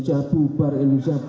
masa adat yang bilang indonesia bubar